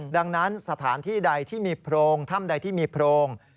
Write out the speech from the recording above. ดังนั้นสถานที่ใดที่มีโพรงถ้ำใดที่มีโพรง